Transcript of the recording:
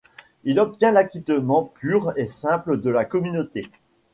Il obtient l'acquittement pur et simple de la communauté.